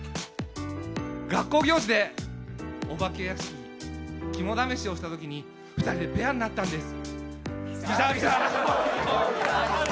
学校行事でお化け屋敷、肝試しをしたときに二人でペアになったんです！